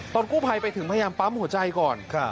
ตอนกู้ภัยไปถึงพยายามปั๊มหัวใจก่อน